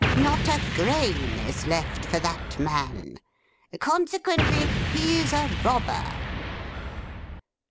Not a grain is left for that man. Consequently, he's a robber.